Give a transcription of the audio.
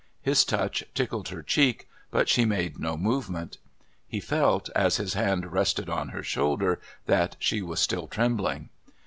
His touch tickled her cheek, but she made no movement. He felt, as his hand rested on her shoulder, that she was still trembling.